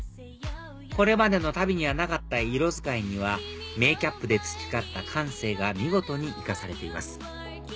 これまでの足袋にはなかった色使いにはメーキャップで培った感性が見事に生かされています